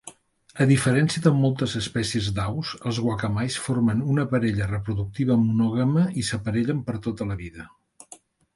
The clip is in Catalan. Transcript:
A diferència de moltes espècies d'aus, els guacamais formen una parella reproductiva monògama i s'aparellen per a tota la vida.